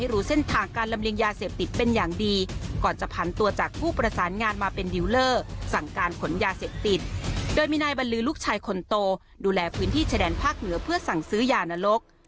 ดูแลพื้นที่ชะแดนภาคเหนือเพื่อสั่งซื้อยาณรก